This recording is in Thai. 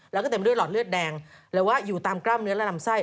แล้วก็เต็มไปด้วยหลอดเลือดแดงหรือว่าอยู่ตามกล้ามเนื้อและลำไส้